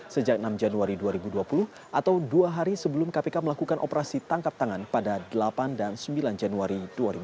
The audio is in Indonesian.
sejak enam januari dua ribu dua puluh atau dua hari sebelum kpk melakukan operasi tangkap tangan pada delapan dan sembilan januari dua ribu dua puluh